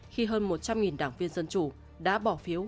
khi hơn một trăm linh đảng viên dân chủ đã bỏ phiếu